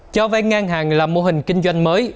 cho vay ngang hàng là mô hình kinh doanh mới